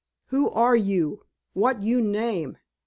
"Who are you? What you name?"